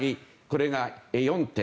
これが４点。